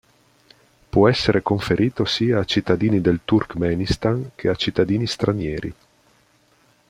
Può essere conferito sia a cittadini del Turkmenistan che a cittadini stranieri.